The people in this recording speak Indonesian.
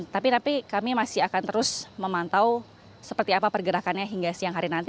tapi kami masih akan terus memantau seperti apa pergerakannya hingga siang hari nanti